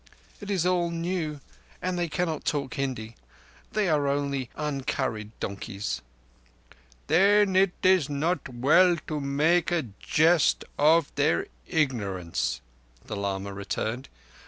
It is all new, and they cannot talk Hindi. They are only uncurried donkeys." "Then it is not well to make a jest of their ignorance," the lama returned.